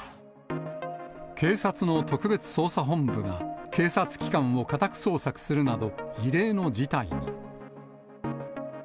警察の特別捜査本部が、警察機関を家宅捜索するなど、異例の事態に。